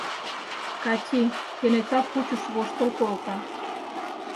— Кати кенета пучыш воштыл колта.